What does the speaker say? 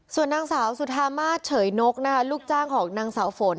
ส่วนนางสาวสุธามาสเฉยนกนะคะลูกจ้างของนางสาวฝน